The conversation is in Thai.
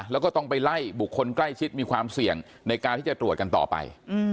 แล้วก็ต้องไปไล่บุคคลใกล้ชิดมีความเสี่ยงในการที่จะตรวจกันต่อไป